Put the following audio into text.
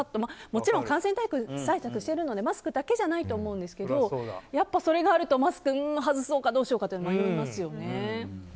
もちろん感染対策してるのでマスクだけじゃないと思うんですけどそれがあるとマスクを外そうかどうしようか迷いますよね。